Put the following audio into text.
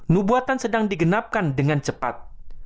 nubuatan sedang digenapkan dengan cepat